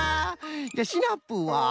じゃシナプーは？